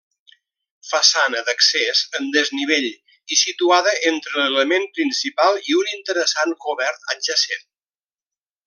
Façana d'accés en desnivell i situada entre l'element principal i un interessant cobert adjacent.